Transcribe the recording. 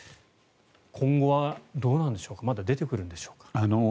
今後はどうなんでしょうかまだ出てくるんでしょうか。